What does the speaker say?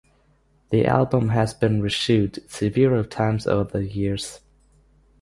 The album has been reissued several times over the years.